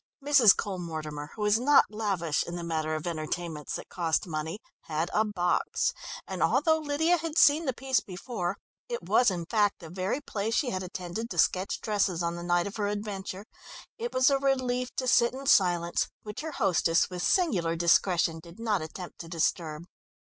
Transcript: Mrs. Cole Mortimer, who was not lavish in the matter of entertainments that cost money, had a box, and although Lydia had seen the piece before (it was in fact the very play she had attended to sketch dresses on the night of her adventure) it was a relief to sit in silence, which her hostess, with singular discretion, did not attempt to disturb.